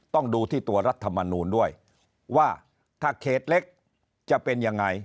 ต้องดูที่ตัวรัฐมนูลด้วยว่าถ้าเขตเล็กจะเป็นยังไง